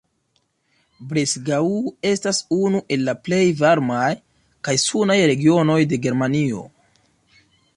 Breisgau estas unu el la plej varmaj kaj sunaj regionoj de Germanio.